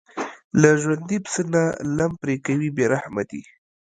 له ژوندي پسه نه لم پرې کوي بې رحمه دي.